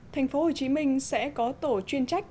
thành phố hồ chí minh sẽ có tổ chuyên trách